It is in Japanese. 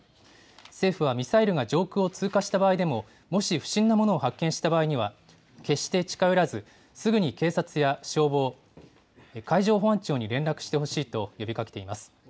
政府はミサイルが上空を通過した場合でも、もし不審なものを発見した場合には、決して近寄らず、すぐに警察や消防、海上保安庁に連絡してほしいと呼びかけています。